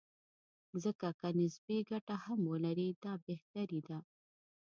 ځکه که نسبي ګټه هم ولري، دا بهتري ده.